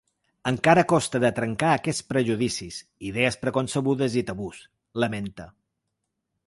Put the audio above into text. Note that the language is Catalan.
Encara costa de trencar aquests prejudicis, idees preconcebudes i tabús, lamenta.